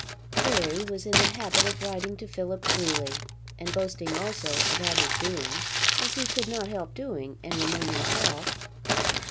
Harry was in the habit of writing to Philip freely, and boasting also about his doings, as he could not help doing and remain himself.